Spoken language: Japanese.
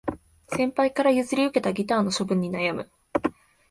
先輩から譲り受けたギターの処分に悩む